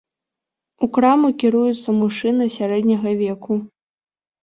У краму кіруецца мужчына сярэдняга веку.